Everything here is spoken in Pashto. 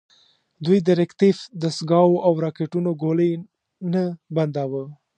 دوی د ریکتیف دستګاوو او راکېټونو ګولۍ نه بنداوه.